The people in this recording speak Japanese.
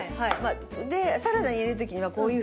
でサラダに入れる時にはこういうふうにして。